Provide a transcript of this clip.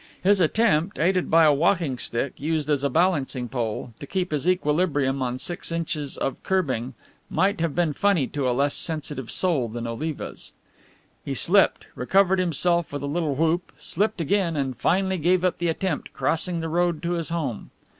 His attempt, aided by a walking stick used as a balancing pole, to keep his equilibrium on six inches of kerbing, might have been funny to a less sensitive soul than Oliva's. He slipped, recovered himself with a little whoop, slipped again, and finally gave up the attempt, crossing the road to his home.